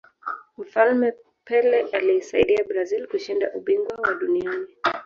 mfalme pele aliisaidia brazil kushinda ubingwa wa duniani